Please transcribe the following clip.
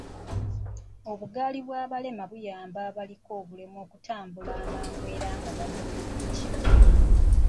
Obugaali bw'abalema buyamba abaliko obulemu okutambula amangu era nga bali bulungi.